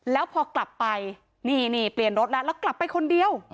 แล้วพอกลับไปนี่เปลี่ยนรถแล้วแล้วกลับไปคนเดียว